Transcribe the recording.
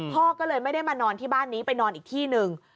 พ่อก็เลยไม่ได้มานอนที่บ้านนี้ไปนอนอีกที่หนึ่ง